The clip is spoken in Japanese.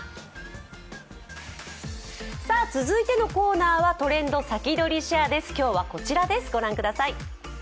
続いてのコーナーは「トレンドさきどり＃シェア」です。